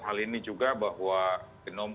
hal ini juga bahwa genom